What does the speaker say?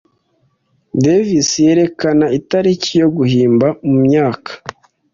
Davis yerekana itariki yo guhimba mu myaka